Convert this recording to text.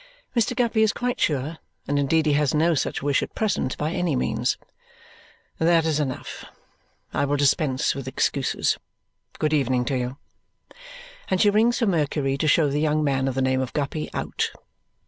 Mr. Guppy is quite sure. And indeed he has no such wish at present, by any means. "That is enough. I will dispense with excuses. Good evening to you!" And she rings for Mercury to show the young man of the name of Guppy out.